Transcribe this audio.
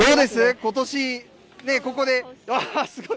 ことし、ね、ここで、わっ、すごい。